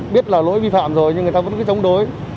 biết là lỗi vi phạm rồi nhưng người ta vẫn cứ chống đối